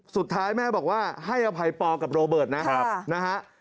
สุดท้ายแม่บอกว่าให้อภัยปอกับโรเบิร์ตนะนะฮะ